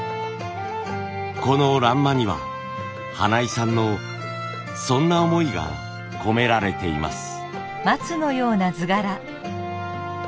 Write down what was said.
この欄間には花井さんのそんな思いが込められています。